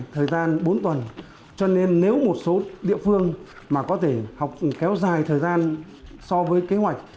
thời gian bốn tuần cho nên nếu một số địa phương mà có thể học kéo dài thời gian so với kế hoạch